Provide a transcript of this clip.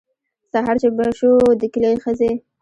سهار چې به شو د کلي ښځې.